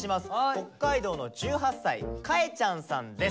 北海道の１８歳かえちゃんさんです。